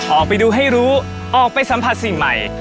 ออกไปดูให้รู้ออกไปสัมผัสสิ่งใหม่